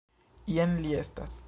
Jen li estas.